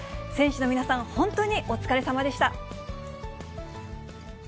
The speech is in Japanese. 選手の皆さん、本当にお疲れさまでした。